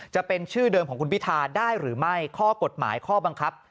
จะเป็นชื่อเดิมของคุณพิธาได้หรือไม่ข้อกฎหมายข้อบังคับ